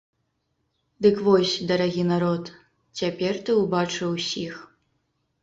Дык вось, дарагі народ, цяпер ты ўбачыў усіх.